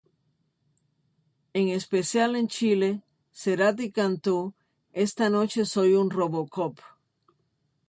En especial, en Chile Cerati cantó, "Esta noche, soy un Robocop".